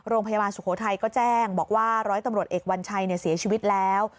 โรงพยาบาลสุโขทัยก็แจ้งบอกว่าร้อยตำรวจเอกวัญชัยเนี่ยเสียชีวิตแล้ว